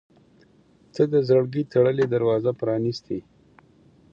• ته د زړګي تړلې دروازه پرانستې.